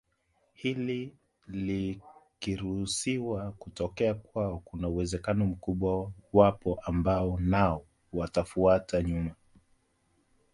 Hili likiruhusiwa kutokea kwao kuna uwezekano mkubwa wapo ambao nao watatufuata nyuma